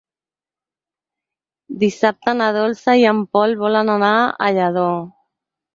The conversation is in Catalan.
Dissabte na Dolça i en Pol volen anar a Lladó.